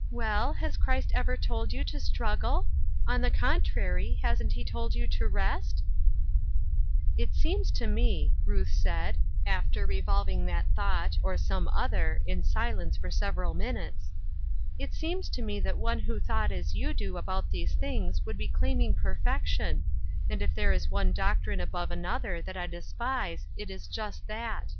" Well, has Christ ever told you to struggle ? On the contrary, hasn't he told you to rest ?" •*It seems to me," said Ruth, after revolting 210 Ruth Er shine' 8 Crosses. that thought, or some other, in silence for sev eral minutes — "it seems to me that one who thought as you do about these things would be claiming perfection ; and if there is one doctrine above another that I despise it is just that.